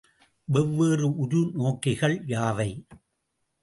வெவ்வேறு உரு நோக்கிகள் யாவை?